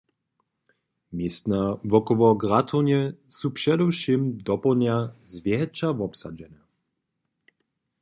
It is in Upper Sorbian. Městna wokoło gratownje su předewšěm dopołdnja zwjetša wobsadźene.